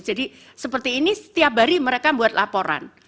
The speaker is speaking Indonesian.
jadi seperti ini setiap hari mereka buat laporan